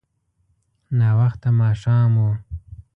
ناوخته ماښام و.